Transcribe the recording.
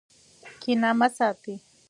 کینه مه ساتئ.